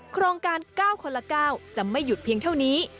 โครงการ๙คนละ๙จะไม่หยุดเพียงเท่านี้